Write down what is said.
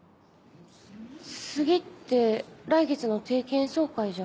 次って来月の定期演奏会じゃ。